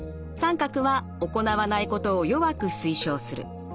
△は行わないことを弱く推奨する。